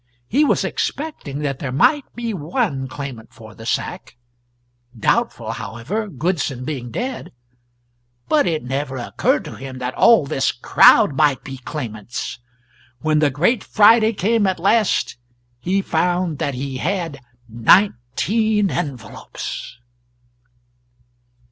He was expecting that there might be one claimant for the sack doubtful, however, Goodson being dead but it never occurred to him that all this crowd might be claimants. When the great Friday came at last, he found that he had nineteen envelopes.